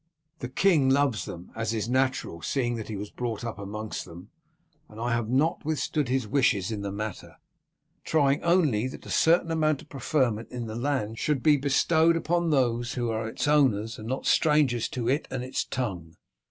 The king loves them, as is but natural, seeing that he was brought up amongst them, and I have not withstood his wishes in the matter, trying only that a certain amount of preferment in the land should be bestowed upon those who are its owners and not strangers to it and its tongue.